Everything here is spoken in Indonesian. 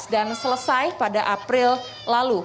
dan selesai pada april lalu